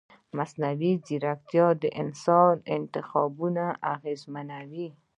مصنوعي ځیرکتیا د انسان انتخابونه اغېزمنوي.